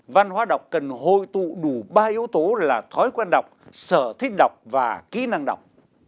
văn hóa đọc cần hội tụ đủ ba yếu tố là thói quen đọc sở thích đọc và kỹ năng đọc